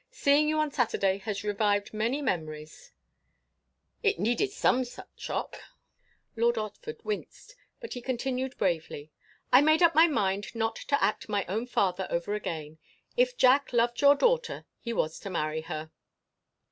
Seeing you on Saturday has revived many memories—" "It needed some such shock." Lord Otford winced; but he continued bravely. "I made up my mind not to act my own father over again. If Jack loved your daughter, he was to marry her."